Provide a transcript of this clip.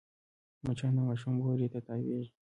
مچان د ماشوم بوري ته تاوېږي